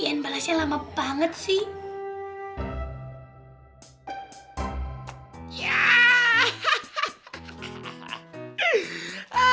ian balasnya lama banget sih